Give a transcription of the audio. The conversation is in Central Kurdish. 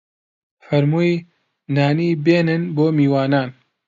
فەرمووی: نانی بێنن بۆ میوانان